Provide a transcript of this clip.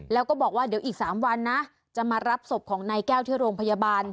แล้วก็บอกว่าเดี๋ยวอีก๓วันนะจะมารับศพของนายแก้วที่โรงพยาบาล